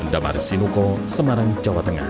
damar sinuko semarang jawa tengah